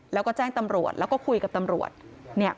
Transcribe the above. แล้วก็แจ้งตำรวจแล้วก็คุยกับตำรวจ